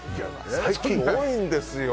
最近、多いんですよ。